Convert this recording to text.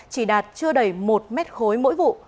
chỉ đạt chưa đầy một mét khối mỗi vụ